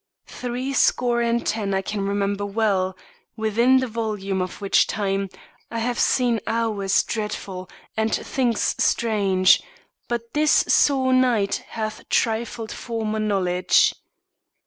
Threescore and ten I can remember well: Within the volume of which time, I have seen Hours dreadful, and things strange; but this sore night Hath trifled former knowledge.